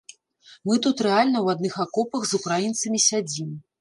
Мы тут рэальна ў адных акопах з украінцамі сядзім.